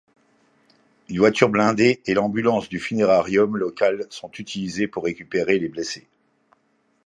Une voiture blindée et l'ambulance du funérarium local sont utilisés pour récupérer les blessés.